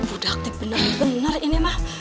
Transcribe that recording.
udah aktif bener bener ini mah